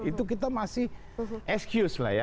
itu kita masih excuse lah ya